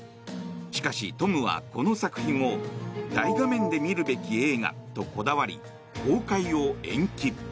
しかし、トムはこの作品を大画面で見るべき映画とこだわり公開を延期。